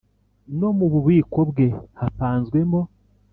no mu bubiko bwe hapanzwemo